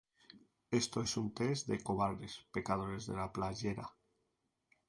Esto es un test de cobardes pecadores de la playera